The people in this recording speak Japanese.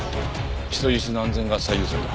人質の安全が最優先だ。